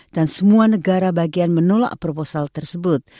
dan semua negara bagian menolak proposal tersebut